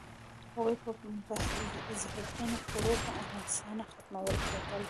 هغوی به په زهرجنو خوړو په اسانه ختمول کېدل.